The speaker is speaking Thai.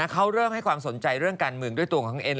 เขาเริ่มให้ความสนใจเรื่องการเมืองด้วยตัวของเอ็น